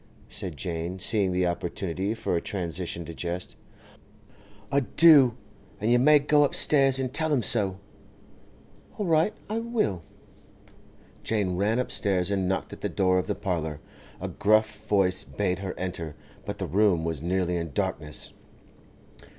said Jane, seeing the opportunity for a transition to jest. 'I do! And you may go upstairs and tell him so.' 'All right; I will.' Jane ran upstairs and knocked at the door of the parlour. A gruff voice bade her enter, but the room was nearly in darkness.